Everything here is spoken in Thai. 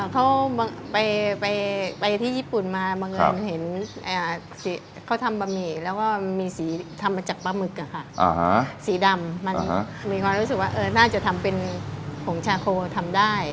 เขาไปที่ญี่ปุ่นมาบังเอิญเห็นเขาทำบะหมี่แล้วก็มีสีทำมาจากปลาหมึกสีดำมันมีความรู้สึกว่าน่าจะทำเป็นผงชาโคทำได้